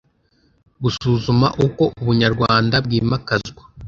gusuzuma uko ubunyarwanda bwimakazwa